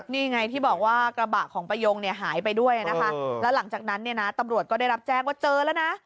นี่ไงที่บอกว่ากระบะของประโยงเนี่ยหายไปด้วยนะคะแล้วหลังจากนั้นเนี่ยนะตำรวจก็ได้รับแจ้งว่าเจอแล้วนะ